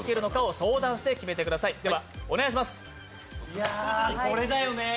いや、これだよね。